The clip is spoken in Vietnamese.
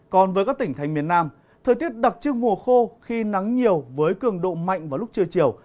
còn với các tỉnh thành miền nam thời tiết đặc trưng mùa khô khi nắng nhiều với cường độ mạnh vào lúc trưa chiều